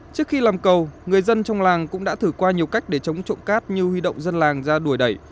trước khi làm cầu người dân trong làng cũng đã thử qua nhiều cách để chống trộm cát như huy động dân làng ra đuổi đẩy